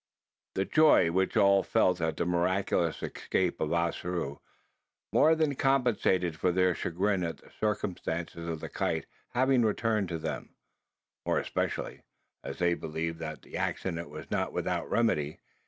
The joy, which all felt at the miraculous escape of Ossaroo, more than compensated for their chagrin at the circumstance of the kite having returned to them: more especially, as they believed that the accident was not without remedy.